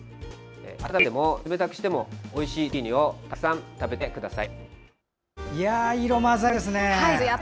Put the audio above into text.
温めても冷たくしてもおいしいズッキーニをたくさん食べてください。